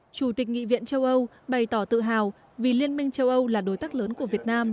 chủ tịch nghị viện châu âu bày tỏ tự hào vì liên minh châu âu là đối tác lớn của việt nam